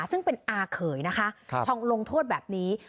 ซึ่งเป็นอาเขยนะคะพอลงโทษแบบนี้